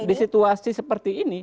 di situasi seperti ini